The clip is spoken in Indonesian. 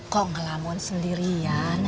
kok gak delaman sendiri aja nih ini